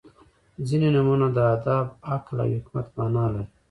• ځینې نومونه د ادب، عقل او حکمت معنا لري.